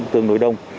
tương đối đông